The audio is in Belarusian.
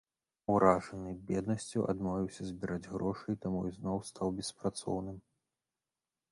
Уражаны беднасцю, адмовіўся збіраць грошы і таму ізноў стаў беспрацоўным.